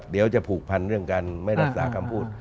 เดี๋ยวจะผูกพันเรื่องการไม่รักษาคำพูด